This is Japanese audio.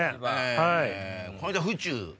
この間東府中。